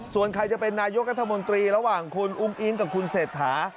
ส่วนใครจะเป็นนายกรัฐมนตรีระหว่างคุณอุ้งอิ๊งกับคุณเศรษฐา